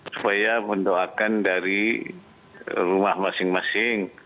supaya mendoakan dari rumah masing masing